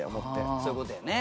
そういう事だよね。